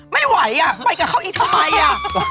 ไม่ไหวอ่ะไปกับเขาอีกทำไมอ่ะ